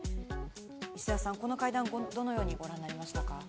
石田さん、この会談どのようにご覧になりましたか？